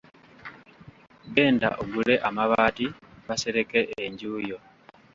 Genda ogule amabaati basereke enju yo.